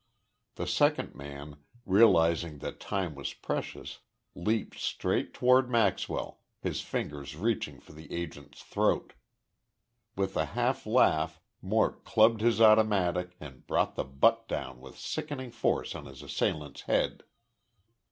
The second man, realizing that time was precious, leaped straight toward Maxwell, his fingers reaching for the agent's throat. With a half laugh Mort clubbed his automatic and brought the butt down with sickening force on his assailant's head.